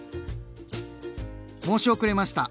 申し遅れました！